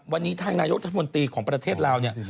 วันนี้ทางนายกรัฐมนตรีของประเทศลาวเนี่ย